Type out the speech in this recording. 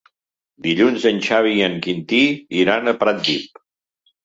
Dilluns en Xavi i en Quintí iran a Pratdip.